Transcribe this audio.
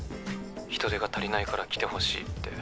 ☎人手が足りないから来てほしいって